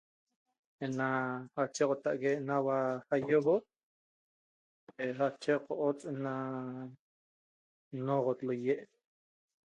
Ena achexotaique na hua aýoxo checo hua ena noxot laye